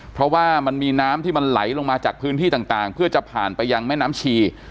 เพราะว่ามันมีน้ำที่มันไหลลงมาจากพื้นที่ต่างเพื่อจะผ่านไปยังแม่น้ำชี